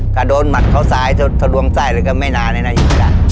ถ้าโดนหมัดเขาสายถ้าร่วงใส่ก็ไม่นานเลยนะยินดา